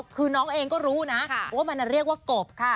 คือน้องเองก็รู้นะว่ามันเรียกว่ากบค่ะ